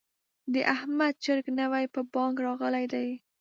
د احمد چرګ نوی په بانګ راغلی دی.